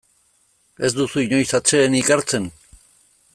Ez duzu inoiz atsedenik hartzen?